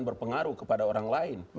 berpengaruh kepada orang lain